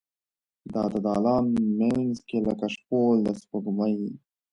د دالان مینځ کې لکه شپول د سپوږمۍ